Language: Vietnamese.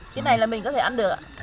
cái này là mình có thể ăn được hả